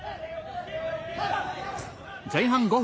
前半５分。